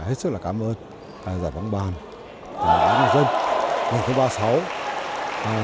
hết sức là cảm ơn giải bóng bàn giải dựng bóng bàn dân lần thứ ba mươi sáu